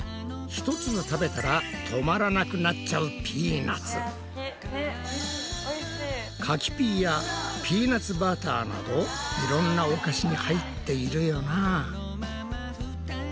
一粒食べたら止まらなくなっちゃう柿ピーやピーナツバターなどいろんなお菓子に入っているよな！